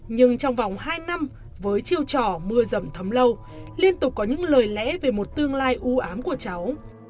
nhưng trong vòng hai năm với chiêu trò mưa rầm thấm lâu liên tục có những lời lẽ về một tương lai ưu ám của cháu